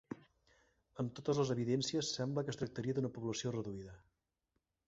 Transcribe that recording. Amb totes les evidències, sembla que es tractaria d'una població reduïda.